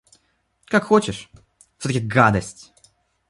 Как хочешь, всё- таки гадость!